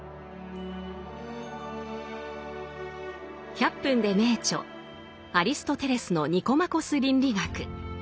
「１００分ｄｅ名著」アリストテレスの「ニコマコス倫理学」。